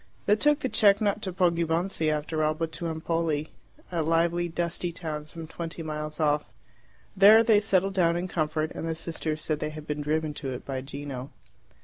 They took the cheque not to Poggibonsi, after all, but to Empoli a lively, dusty town some twenty miles off. There they settled down in comfort, and the sisters said they had been driven to it by Gino.